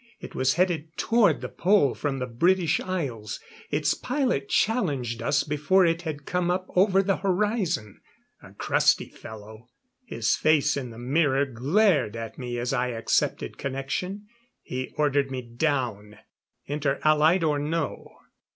It was headed toward the Pole from the British Isles. Its pilot challenged us before it had come up over the horizon. A crusty fellow. His face in the mirror glared at me as I accepted connection. He ordered me down, Inter Allied or no.